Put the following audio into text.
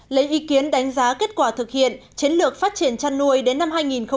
lấy ý kiến đánh giá kết quả thực hiện chiến lược phát triển chăn nuôi đến năm hai nghìn ba mươi